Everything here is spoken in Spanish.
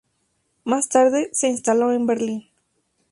Más tarde, se instaló en Berlín.